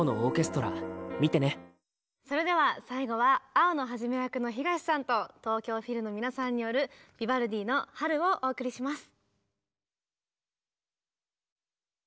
それでは最後は青野一役の東さんと東京フィルの皆さんによるヴィヴァルディの「春」をお送りします。